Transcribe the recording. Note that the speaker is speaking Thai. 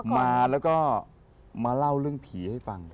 มาแล้วก็มาเล่าเรื่องผีให้ฟัง